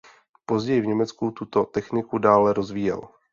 Později v Německu tuto techniku dále rozvíjel.